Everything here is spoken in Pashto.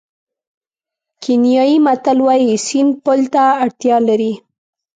کینیايي متل وایي سیند پل ته اړتیا لري.